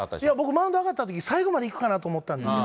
マウンド上がったとき最後までいくかなと思ったんですよ。